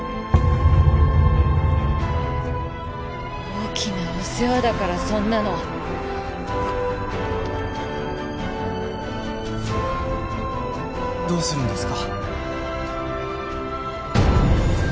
大きなお世話だからそんなのどうするんですか？